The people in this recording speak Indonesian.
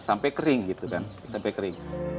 sampai kering gitu kan sampai kering